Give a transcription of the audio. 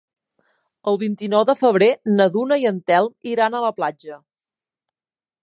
El vint-i-nou de febrer na Duna i en Telm iran a la platja.